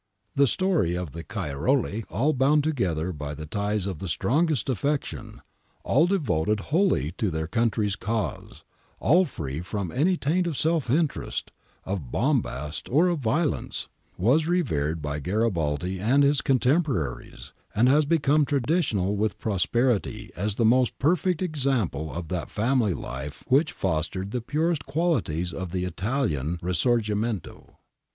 The story of the Cairoli, all bound together by ties of the strongest affection, all devoted wholly to their country's cause, all free from any taint of self interest, of bombast, or of violence, was revered by Garibaldi and his con temporaries, and has become traditional with posterity as the most perfect example of that family life which fostered the purest qualities of the Italian risorgimento.